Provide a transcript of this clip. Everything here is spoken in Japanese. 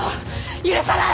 許さない！